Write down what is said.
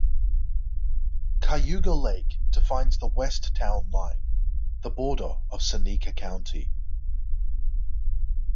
Cayuga Lake defines the west town line, the border of Seneca County.